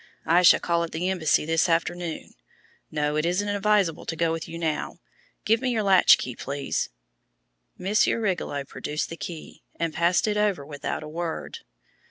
I shall call at the embassy this afternoon. No, it isn't advisable to go with you now. Give me your latch key, please." Monsieur Rigolot produced the key and passed it over without a word.